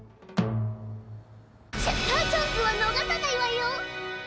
シャッターチャンスはのがさないわよ！